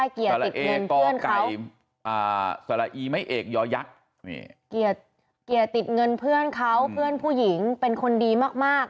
เกียร์ติดเงินเพื่อนเขาเกียร์ติดเงินเพื่อนเขาเพื่อนผู้หญิงเป็นคนดีมาก